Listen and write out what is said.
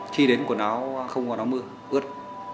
khi đến quần áo không có áo mưa ướt